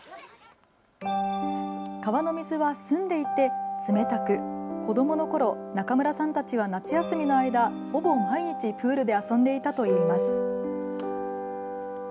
川の水は澄んでいて冷たく子どものころ、中村さんたちは夏休みの間、ほぼ毎日プールで遊んでいたといいます。